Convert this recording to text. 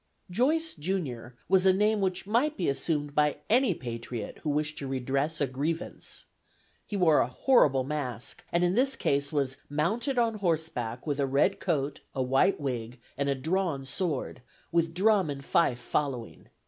"Joice junior" was a name which might be assumed by any patriot who wished to redress a grievance. He wore a horrible mask, and in this case "was mounted on horseback, with a red coat, a white wig, and a drawn sword, with drum and fife following.